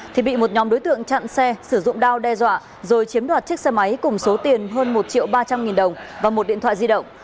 thì bị một nhóm đối tượng chặn xe sử dụng đao đe dọa rồi chiếm đoạt chiếc xe máy cùng số tiền hơn một triệu ba trăm linh nghìn đồng và một điện thoại di động